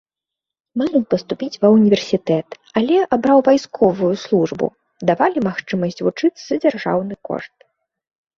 Марыў паступіць ва ўніверсітэт, але абраў вайсковую службу, давалі магчымасць вучыцца за дзяржаўны кошт.